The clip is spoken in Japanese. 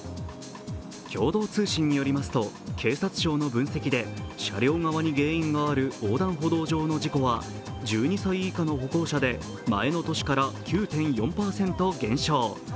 共同開発によりますと警察庁の分析で車両側に原因がある横断歩道上の事故は１２歳以下の歩行者で前の年から９．４％減少。